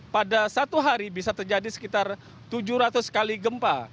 pada satu hari bisa terjadi sekitar tujuh ratus kali gempa